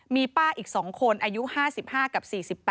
มีป้าอีก๒คนอายุ๕๕กับ๔๘